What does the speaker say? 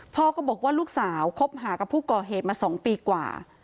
พ่อก็บอกว่าลูกสาวคบหากับผู้ก่อเหตุมา๒ปีกว่า